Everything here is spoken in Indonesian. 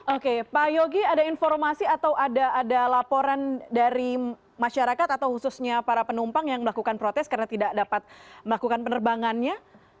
oke pak yogi ada informasi atau ada laporan dari masyarakat atau khususnya para penumpang yang melakukan protes karena tidak dapat melakukan penerbangannya